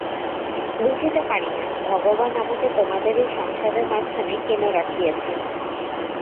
বুঝিতে পারি না, ভগবান আমাকে তোমাদের এই সংসারের মাঝখানে কেন রাখিয়াছেন।